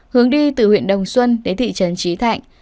hướng đi từ huyện đồng xuân đến thị trấn trí thạnh